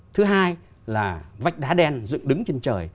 thứ hai là vách đá đen dựng đứng trên trời